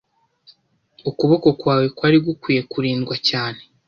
Ukuboko kwawe kwari gukwiye kurindwa cyane